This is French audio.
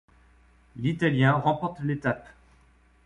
L'Italien remporte l'étape.